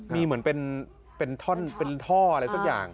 มีเหมือนเป็นท่ออะไรสักอย่าง